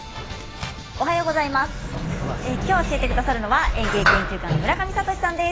今日教えてくださるのは園芸研究家の村上敏さんです。